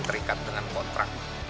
terikat dengan kontrak